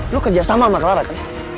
lu kerja sama sama kelarak